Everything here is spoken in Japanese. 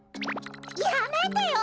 やめてよ！